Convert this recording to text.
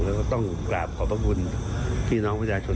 แล้วก็ต้องกราบขอบพระคุณพี่น้องประชาชน